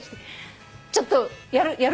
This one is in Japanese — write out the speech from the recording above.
ちょっとやる？